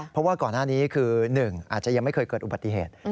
เพราะว่าก่อนหน้านี้คือ๑อาจจะยังไม่เคยเกิดอุบัติเหตุ